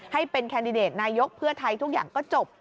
ให้เป็นแคนดิเดตนายกเพื่อไทยทุกอย่างก็จบ